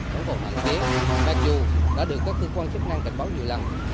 đồng bộ hạng kế bacu đã được các cơ quan chức năng cảnh báo nhiều lần